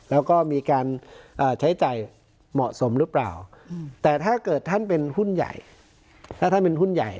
แล้วก็มีการใช้จ่ายเหมาะสมหรือเปล่าแต่ถ้าเกิดท่านเป็นหุ้นใหญ่